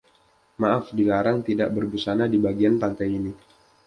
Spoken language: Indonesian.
Maaf, dilarang tidak berbusana di bagian pantai ini.